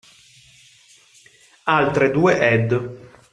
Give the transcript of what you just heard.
Altre due ed.